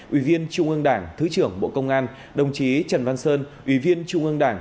ủy viên trung ương đảng thứ trưởng bộ công an đồng chí trần văn sơn ủy viên trung ương đảng